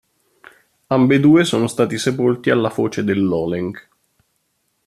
Ambedue sono stati sepolti alla foce dell'Olenëk.